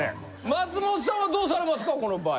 松本さんはどうされますかこの場合。